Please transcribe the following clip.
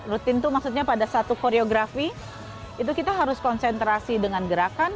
rutin itu maksudnya pada satu koreografi itu kita harus konsentrasi dengan gerakan